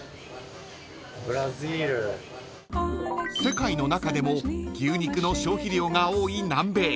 ［世界の中でも牛肉の消費量が多い南米］